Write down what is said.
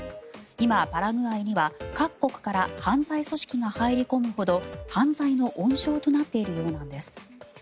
今、パラグアイには各国から犯罪組織が入り込むほど犯罪の温床となっているようなんです。